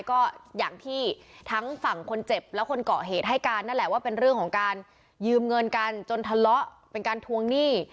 ก็อย่างที่ทั้งฝั่งคนเจ็บและคนเกาะเหตุให้การนั่นแหละว่าเป็นเรื่องของการยืมเงินกันจนทะเลาะเป็นการทวงหนี้